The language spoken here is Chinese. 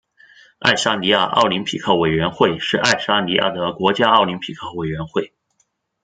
爱沙尼亚奥林匹克委员会是爱沙尼亚的国家奥林匹克委员会。